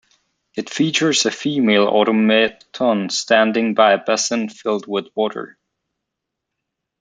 It features a female automaton standing by a basin filled with water.